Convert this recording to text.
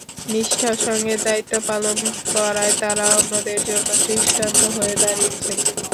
নিষ্ঠার সঙ্গে দায়িত্ব পালন করায় তাঁরা অন্যদের জন্য দৃষ্টান্ত হয়ে দাঁড়িয়েছেন।